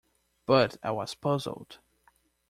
But I was puzzled.